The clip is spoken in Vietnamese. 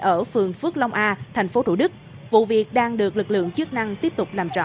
ở phường phước long a tp thủ đức vụ việc đang được lực lượng chức năng tiếp tục làm rõ